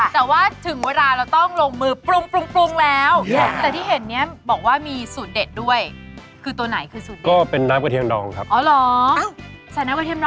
แล้วก็ยังอยู่กับเชฟภูมิก็ยังอยู่กับเชฟภูมิ